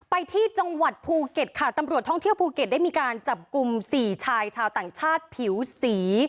ไปที่จังหวัดภูเก็ตค่ะตำรวจท่องเที่ยวภูเก็ตได้มีการจับกลุ่มสี่ชายชาวต่างชาติผิวสี